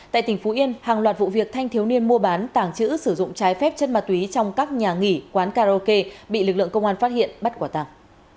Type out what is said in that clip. tại tỉnh phú yên hàng loạt vụ việc thanh thiếu niên mua bán tàng trữ sử dụng trái phép chất ma túy trong các nhà nghỉ quán karaoke bị lực lượng công an phát hiện bắt quả tàng